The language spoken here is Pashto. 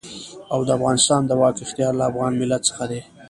او د افغانستان د واک اختيار له افغان ملت څخه دی.